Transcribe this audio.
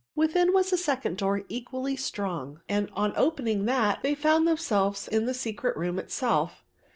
Within was a second door equally strong and, on opening that, they found themselves in the secret room itself.